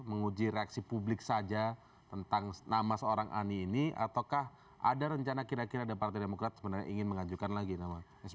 menguji reaksi publik saja tentang nama seorang ani ini ataukah ada rencana kira kira ada partai demokrat sebenarnya ingin mengajukan lagi nama sby